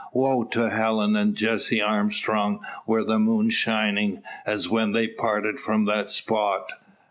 Woe to Helen and Jessie Armstrong were the moon shining, as when they parted from that spot!